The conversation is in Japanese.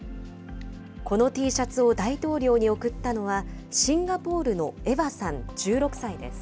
このＴシャツを大統領に贈ったのは、シンガポールのエヴァさん１６歳です。